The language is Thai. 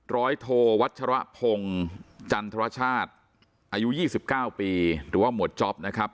ร้อยโทวัชรพงศ์จันทรชาติอายุ๒๙ปีหรือว่าหมวดจ๊อปนะครับ